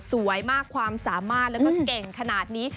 สวยมากความสามารถแล้วก็เก่งขนาดนี้